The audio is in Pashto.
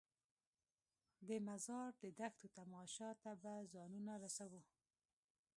د مزار د دښتو تماشو ته به ځانونه رسوو.